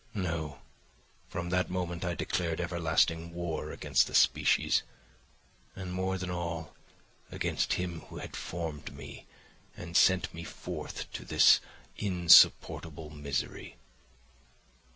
No; from that moment I declared everlasting war against the species, and more than all, against him who had formed me and sent me forth to this insupportable misery.